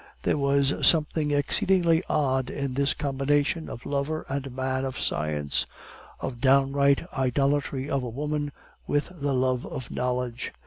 There was something exceedingly odd in this combination of lover and man of science, of downright idolatry of a woman with the love of knowledge.